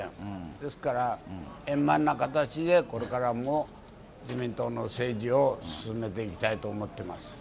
ですから円満な形でこれからも自民党の政治を進めていきたいと思っています。